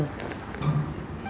ya engga sih